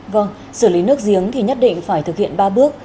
vâng xử lý nước giếng thì nhất định phải thực hiện ba bước